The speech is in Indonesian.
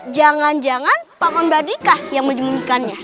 jangan jangan paman berdikah yang menjemput ikannya